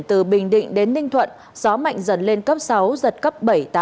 từ bình định đến ninh thuận gió mạnh dần lên cấp sáu giật cấp bảy tám